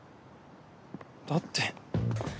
だって。